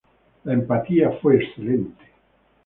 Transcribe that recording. La empatía fue excelente.